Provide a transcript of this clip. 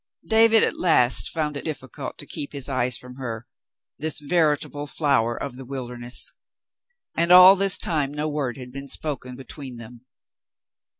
David at last found it difiicult to keep his eyes from her,* — this veritable flower of the wilderness, — and all this time no word had been spoken between them.